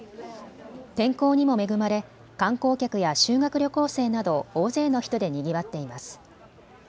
天候にも恵まれ観光客や修学旅行生など大勢の人でにぎわっています。